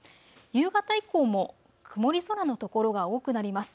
夕方以降も曇り空の所が多くなります。